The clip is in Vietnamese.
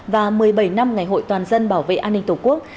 và một mươi bảy năm ngày hội toàn dân bảo vệ an ninh tổ quốc